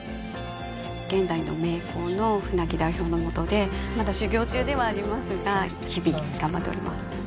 現代の名工の舟木代表のもとでまだ修業中ではありますが日々頑張っております